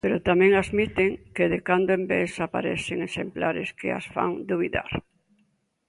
Pero tamén admiten que, de cando en vez, aparecen exemplares que as fan dubidar.